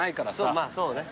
まあそうね。